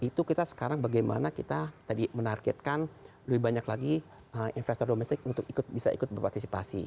itu kita sekarang bagaimana kita tadi menargetkan lebih banyak lagi investor domestik untuk bisa ikut berpartisipasi